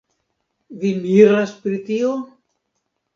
Vi miras pri tio?